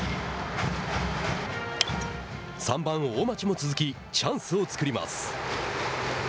３番大町も続きチャンスを作ります。